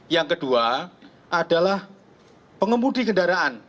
yang kedua adalah pengemudi kendaraan